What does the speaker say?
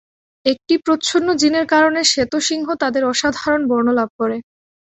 একটি প্রচ্ছন্ন জিনের কারণে শ্বেত সিংহ তাদের অসাধারণ বর্ণ লাভ করে।